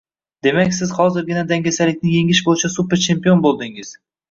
Demak siz hozirgina dangasalikni yengish bo’yicha super chempion bo’ldingiz